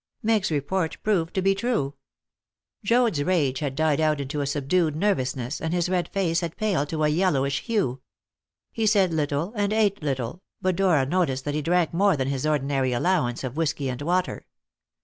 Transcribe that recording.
Meg's report proved to be true. Joad's rage had died out into a subdued nervousness, and his red face had paled to a yellowish hue. He said little and ate little, but Dora noticed that he drank more than his ordinary allowance of whisky and water.